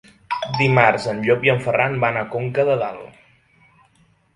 Dimarts en Llop i en Ferran van a Conca de Dalt.